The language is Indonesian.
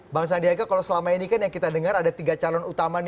bang sandiaga kalau selama ini kan yang kita dengar ada tiga calon utama nih